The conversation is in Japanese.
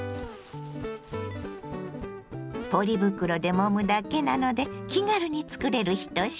ポリ袋でもむだけなので気軽につくれる一品。